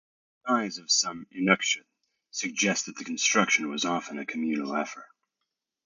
The size of some inuksuit suggest that the construction was often a communal effort.